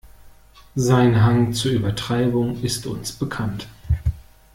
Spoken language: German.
Sein Hang zur Übertreibung ist uns bekannt.